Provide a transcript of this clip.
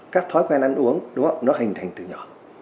các thói quen ăn uống đúng không nó hình thành từ nhỏ